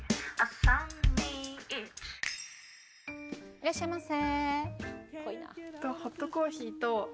いらっしゃいませ。